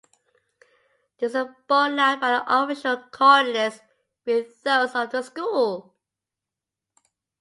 This is borne out by the official coordinates being those of the school.